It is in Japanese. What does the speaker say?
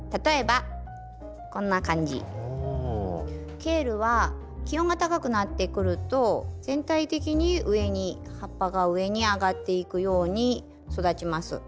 ケールは気温が高くなってくると全体的に上に葉っぱが上に上がっていくように育ちます。